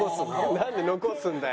なんで残すんだよ？